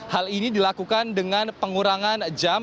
hal ini dilakukan dengan pengurangan jam